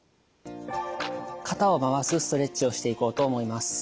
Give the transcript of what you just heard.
肩を回すストレッチをしていこうと思います。